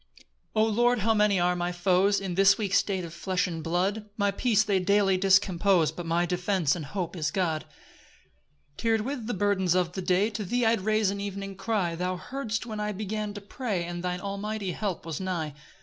1 O Lord, how many are my foes, In this weak state of flesh and blood! My peace they daily discompose, But my defence and hope is God. 2 Tir'd with the burdens of the day, To thee I rais'd an evening cry; Thou heardst when I began to pray, And thine almighty help was nigh.